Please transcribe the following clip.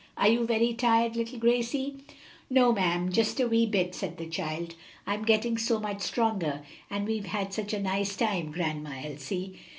Are you very tired, little Gracie?" "No, ma'am, just a wee bit," said the child. "I'm getting so much stronger, and we've had such a nice time, Grandma Elsie."